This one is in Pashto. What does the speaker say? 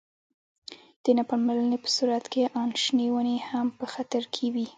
د نه پاملرنې په صورت کې آن شنې ونې هم په خطر کې وي.